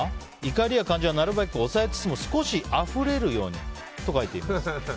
怒りや感情はなるべく抑えつつも少しあふれるようにと書いてあります。